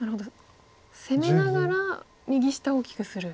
攻めながら右下を大きくする。